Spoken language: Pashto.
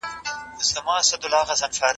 شتمني د انسان سترګې پردې کوي.